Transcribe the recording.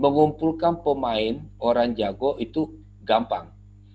mengumpulkan pemain orang jago itu gampang